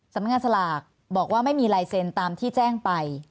สำนักงานสลากบอกว่าไม่มีลายเซ็นตามที่แจ้งไป